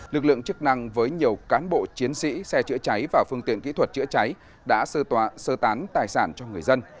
lực lượng chức năng với nhiều cán bộ chiến sĩ xe chữa cháy và phương tiện kỹ thuật chữa cháy đã sơ tán tài sản cho người dân